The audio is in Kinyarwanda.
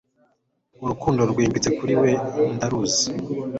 Urukundo rwimbitse kuri we ndaruzi